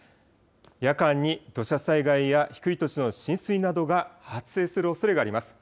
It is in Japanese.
夜間に土砂災害や低い土地の浸水などが発生するおそれがあります。